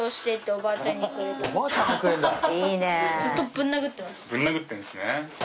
ぶん殴ってるんですね。